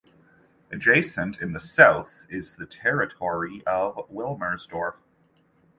Adjacent in the south is the territory of Wilmersdorf.